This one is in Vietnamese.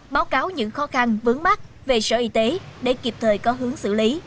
báo cáo những khó khăn vướng mắt về sở y tế để kịp thời có hướng xử lý